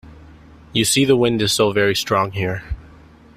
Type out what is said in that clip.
You see the wind is so very strong here.